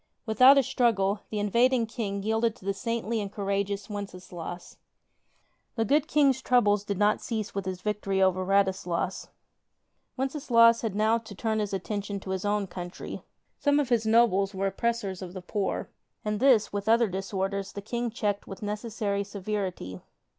Without a struggle, the in vading King yielded to the saintly and courageous Wences laus. The good King's troubles did not cease with his victory over Radislas. Wenceslaus had now to turn his attention to his own country. Some of his nobles were oppressors of the poor, and this with other disorders the King checked with necessary severity.